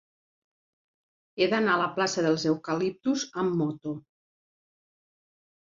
He d'anar a la plaça dels Eucaliptus amb moto.